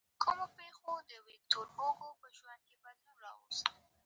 د سرپل په ګوسفندي کې د تیلو څاګانې دي.